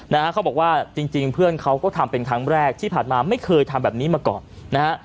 นะฮะเขาบอกว่าจริงจริงเพื่อนเขาก็ทำเป็นครั้งแรกที่ผ่านมาไม่เคยทำแบบนี้มาก่อนนะฮะ